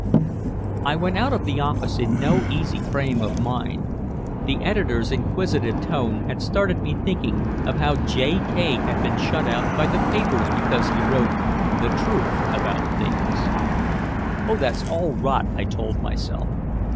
I went out of the office in no easy frame of mind. The editor's inquisitive tone had started me thinking of how J. K. had been shut out by the papers because he wrote "the truth about things." "Oh that's all rot," I told myself.